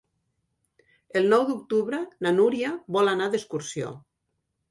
El nou d'octubre na Núria vol anar d'excursió.